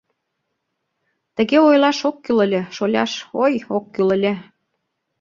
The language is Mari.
— Тыге ойлаш ок кӱл ыле, шоляш, ой, ок кӱл ыле.